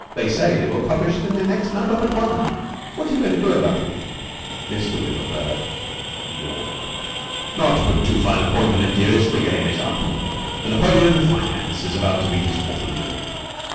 They say they will publish it in their next number but one. What are you going to do about it?" Mr. Windlebird yawned. "Not to put too fine a point on it, dearest, the game is up. The Napoleon of Finance is about to meet his Waterloo.